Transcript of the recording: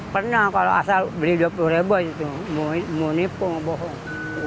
pernah kalau asal beli dua puluh ribu aja tuh mau nipu ngomong